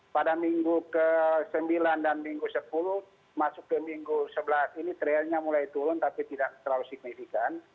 pada minggu ke sembilan dan minggu sepuluh masuk ke minggu sebelas ini trailnya mulai turun tapi tidak terlalu signifikan